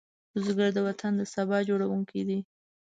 بزګر د وطن د سبا جوړوونکی دی